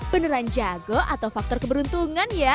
beneran jago atau faktor keberuntungan ya